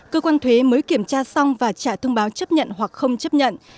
cơ quan thuế mới kiểm tra xong và trả thông báo chấp nhận hoặc không chấp nhận